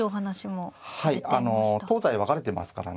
東西分かれてますからねお互い予選